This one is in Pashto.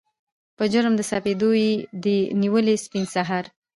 په جرم د سپېدو یې دي نیولي سپین سهار